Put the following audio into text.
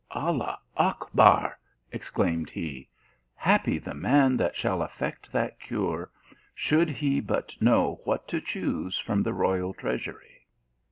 "Allah Achbar!" exclaimed he. "Happy the man that shall effect that cure, should he but know what to choose from the royal treasury."